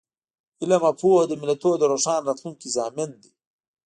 علم او پوهه د ملتونو د روښانه راتلونکي ضامن دی.